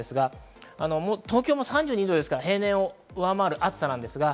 東京も３２度ですから平年を上回る暑さです。